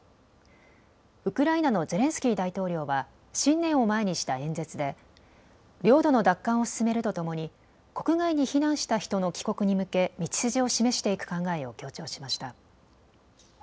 ウクライナのゼレンスキー大統領は新年を前にした演説で領土の奪還を進めるとともに国外に避難した人の帰国に向け道筋を示していく考えを強調しました。